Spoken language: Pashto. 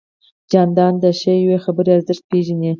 جانداد د ښې یوې خبرې ارزښت پېژني.